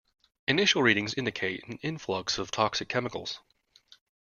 Initial readings indicate an influx of toxic chemicals.